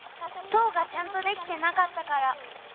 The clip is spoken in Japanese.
塔がちゃんとできてなかったから。